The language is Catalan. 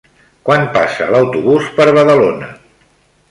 Quan passa l'autobús per Badalona?